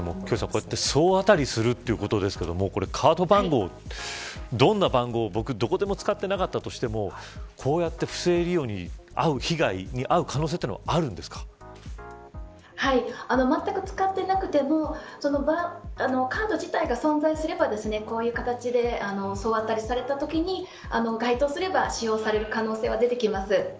総当たりするということですがどこでも使っていなかったとしてもこうして、不正利用に遭うまったく使っていなくてもカード自体が存在すればこういう形で総当たりされたときに該当すれば使用される可能性はあります。